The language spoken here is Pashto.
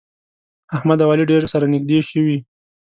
احمد او علي ډېر سره نږدې شوي.